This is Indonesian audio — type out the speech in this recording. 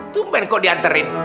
tuh ben kok diantarin